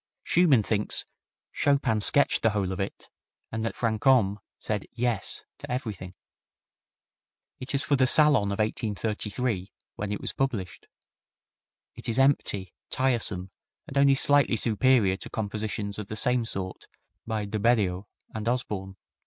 Schumann thinks "Chopin sketched the whole of it, and that Franchomme said 'Yes' to everything." It is for the salon of 1833, when it was published. It is empty, tiresome and only slightly superior to compositions of the same sort by De Beriot and Osborne.